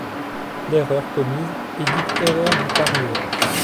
L'erreur commise est dite erreur du parieur.